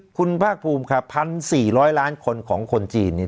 ยินดีกว่าแบบแพ้ลาที่จะครับว่าการตัดการของคนจอมนวนของคนจีนนี่